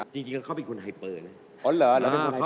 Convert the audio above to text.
จริงเขาเป็นคนไฮเปอร์นะ